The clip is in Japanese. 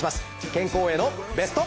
健康へのベスト。